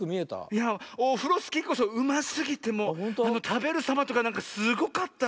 いやオフロスキーこそうますぎてもうたべるさまとかなんかすごかったわ。